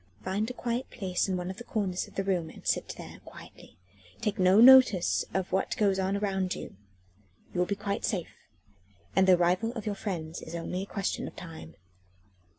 Find a quiet place in one of the corners of the room and sit there quietly, taking no notice of what goes on around you. You will be quite safe, and the arrival of your friends is only a question of time."